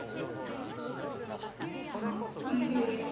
おいしいです。